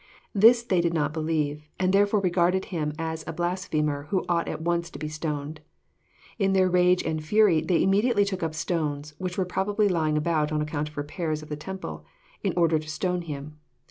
This they did not believe, and therefore regarded Him as a blas phemer who ought at once to be stoned. In their rage and fhry they immediately took up stones, which were probably lying about on account of repairs of the temple, in order to stone Him.